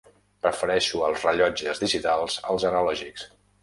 Prefereixo els rellotges digitals als analògics.